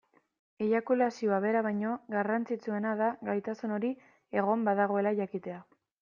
Eiakulazioa bera baino, garrantzitsuena da gaitasun hori egon badagoela jakitea.